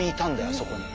あそこに。